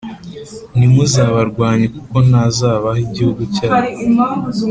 ntimuzabarwanye kuko ntazabaha igihugu cyabo,